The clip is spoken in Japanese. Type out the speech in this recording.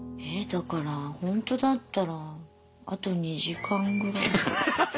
だからほんとだったらあと２時間ぐらい。